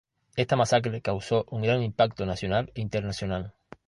Esta masacre causó un gran impacto nacional e internacional.